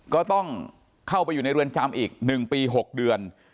ก็ต้องเข้าไปอยู่ในเรือนจำอีก๑ปี๖เดือน